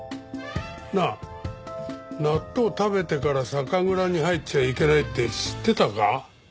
なあ納豆食べてから酒蔵に入っちゃいけないって知ってたか？